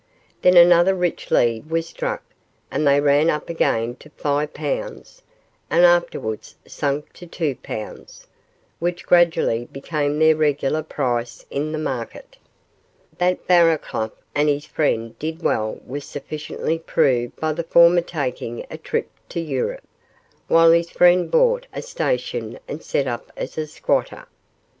Then another rich lead was struck, and they ran up again to five pounds, and afterwards sank to two pounds, which gradually became their regular price in the market. That Barraclough and his friend did well was sufficiently proved by the former taking a trip to Europe, while his friend bought a station and set up as a squatter.